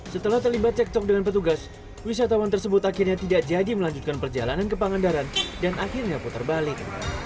setelah terlibat cekcok dengan petugas wisatawan tersebut akhirnya tidak jadi melanjutkan perjalanan ke pangandaran dan akhirnya putar balik